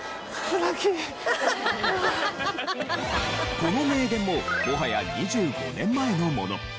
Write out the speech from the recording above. この名言ももはや２５年前のもの。